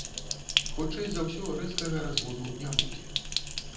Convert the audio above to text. Хутчэй за ўсё, рэзкага разводу не будзе.